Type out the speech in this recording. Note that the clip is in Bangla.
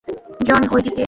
জন, ওইদিকে।